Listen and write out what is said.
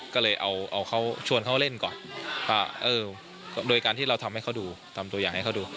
ก็เลยชวนเขาเล่นก่อนโดยการที่เราทำตัวอย่างให้เขาดู